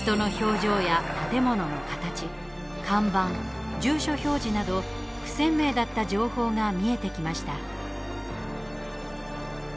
人の表情や建物の形看板、住所表示など不鮮明だった情報が見えてきました。